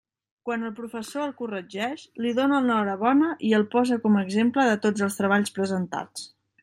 Quan el professor el corregeix, li dóna l'enhorabona i el posa com a exemple de tots els treballs presentats.